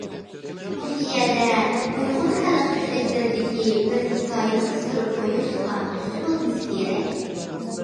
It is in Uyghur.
مۇشۇ يەردە« ئۇيغۇر خەلق چۆچەكلىرى» دىكى بىر ھېكايىنى قىستۇرۇپ قويۇش ئارتۇقچە بولمىسا كېرەك.